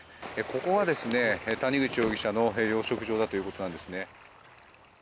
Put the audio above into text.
ここが谷口容疑者の養殖場だということです。